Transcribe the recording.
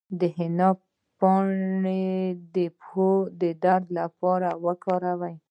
د حنا پاڼې د پښو د درد لپاره وکاروئ